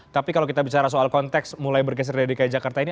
tapi kalau kita bicara soal konteks mulai bergeser dari dki jakarta ini